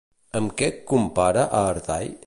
Amb què compara a Artai?